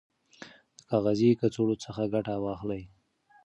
د کاغذي کڅوړو څخه ګټه واخلئ.